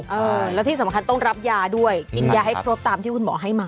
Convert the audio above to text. เออแล้วที่สำคัญต้องรับยาด้วยกินยาให้ครบตามที่คุณหมอให้มา